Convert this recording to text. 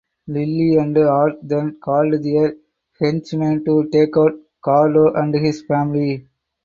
Lily and Art then called their henchmen to take out Cardo and his family.